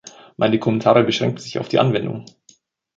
Meine Kommentare beschränken sich auf die Anwendung.